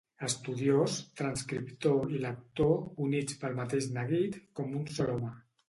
Estudiós, transcriptor i lector units pel mateix neguit, com un sol home.